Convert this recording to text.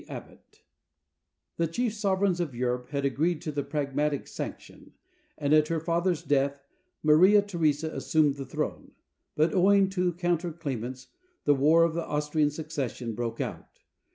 ABBOTT [The chief sovereigns of Europe had agreed to the Pragmatic Sanction, and at her father's death Maria Theresa assumed the throne; but owing to counter claimants the War of the Austrian Succession broke out.